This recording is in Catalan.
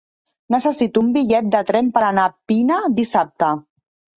Necessito un bitllet de tren per anar a Pina dissabte.